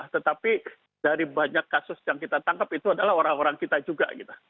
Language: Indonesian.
tetapi dari banyak kasus yang kita tangkap itu adalah orang orang kita juga